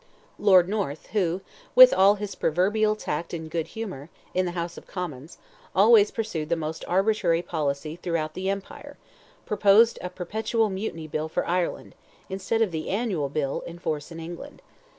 Lord North, who, with all his proverbial tact and good humour, in the House of Commons, always pursued the most arbitrary policy throughout the empire, proposed a perpetual Mutiny Bill for Ireland, instead of the Annual Bill, in force in England.